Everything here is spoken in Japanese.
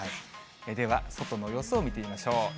では、外の様子を見てみましょう。